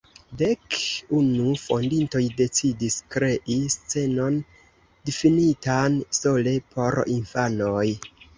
Dek unu fondintoj decidis krei scenon difinitan sole por infanoj.